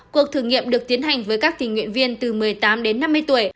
cuộc thử nghiệm được tiến hành với các tình nguyện viên từ một mươi tám đến năm mươi tuổi